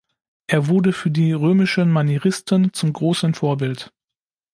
Er wurde für die römischen Manieristen zum großen Vorbild.